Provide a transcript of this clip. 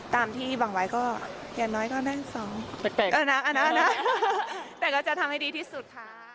แต่ก็จะทำให้ดีที่สุดค่ะ